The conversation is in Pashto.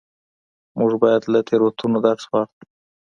موږ بايد له تېروتنو درس واخلو.